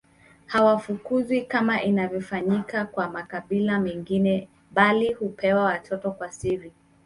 Hawafukuzwi kama inavyofanyika kwa makabila mengine bali hupewa watoto kwa siri